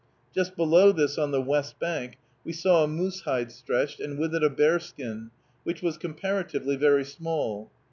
Just below this, on the west bank, we saw a moose hide stretched, and with it a bearskin, which was comparatively very small.